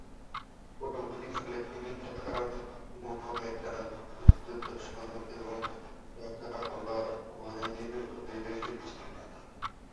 পরবর্তীকালে, তিনি ঢাকা মোহামেডান, মুক্তিযোদ্ধা সংসদ এবং ঢাকা আবাহনীর হয়ে খেলেছিলেন।